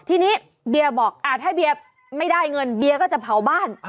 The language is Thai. ทีนี้เบียร์บอกถ้าเบียร์ไม่ได้เงินเบียร์ก็จะเผาบ้าน